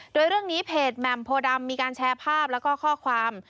โดยเรื่องนี้เพจแหม่มโพดำมีการแชร์ภาพแล้วก็ข้อความ